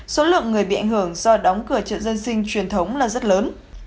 số lượng người bị ảnh hưởng do đóng cửa chợ dân sinh truyền thống là rất lớn